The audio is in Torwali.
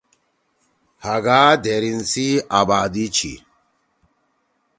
ہاگا دھیریِن سی آبادی چھی۔